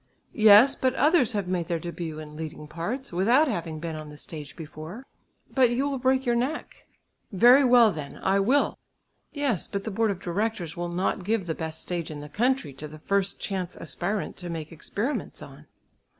"Yes, but others have made their début in leading parts, without having been on the stage before." "But you will break your neck." "Very well, then! I will!" "Yes, but the board of directors will not give the best stage in the country to the first chance aspirant to make experiments on."